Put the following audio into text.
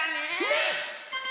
ねっ！